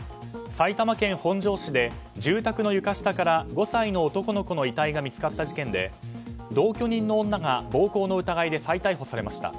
埼玉県本庄市で住宅の床下から５歳の男の子の遺体が見つかった事件で同居人の女が暴行の疑いで再逮捕されました。